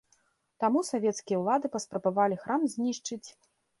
Таму савецкія ўлады паспрабавалі храм знішчыць.